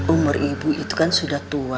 umur ibu itu kan sudah tua